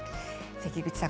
関口さん